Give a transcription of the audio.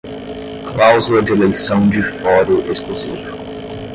cláusula de eleição de foro exclusivo